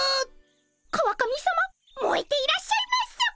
川上さまもえていらっしゃいます。